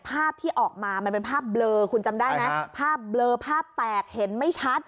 ภาพที่ออกมามันเป็นภาพเบลอคุณจำได้ไหมภาพเบลอภาพแตกเห็นไม่ชัด